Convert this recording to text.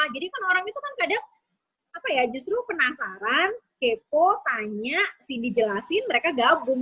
jadi kan orang itu kan kadang justru penasaran kepo tanya cindy jelasin mereka gabung